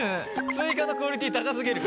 追加のクオリティー高過ぎる。